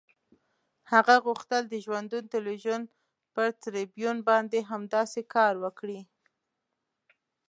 هغه غوښتل د ژوندون تلویزیون پر تریبیون باندې همداسې کار وکړي.